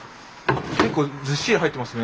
結構ずっしり入ってますね。